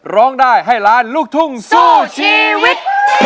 ร้องได้ให้ล้านลูกทุ่งสู้ชีวิต